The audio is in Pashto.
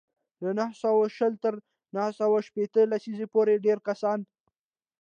له نهه سوه شل تر نهه سوه شپېته لسیزې پورې ډېری کسان